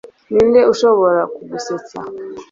Ninde ushobora kugusetsa